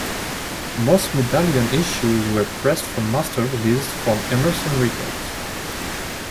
Most Medallion issues were pressed from masters leased from Emerson Records.